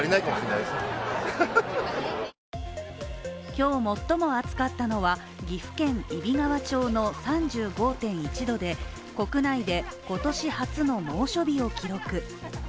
今日最も暑かったのは岐阜県揖斐川町の３５．１度で国内で今年初の猛暑日を記録。